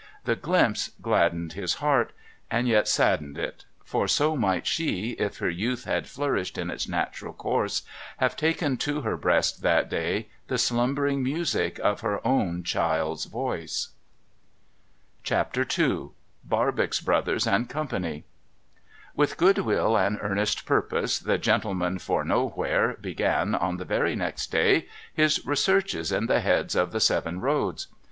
The glimpse gladdened his heart, and yet saddened itj for so might she, if her youth had flourished in its natural course, have taken to her breast that day the slumbering music of her own child's voice, CHAPTER II BARBOX BROTHERS AND CO. With good will and earnest purpose, the gentleman for Nowhere began, on the very next day, his researches at the heads of the seven roads.